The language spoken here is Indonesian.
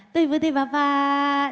tui putih bapak